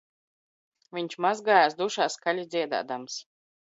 Viņš mazgājās dušā skaļi dziedādams